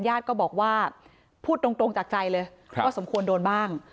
ญาติก็บอกว่าพูดตรงจากใจเลยว่าสมควรโดนบ้าง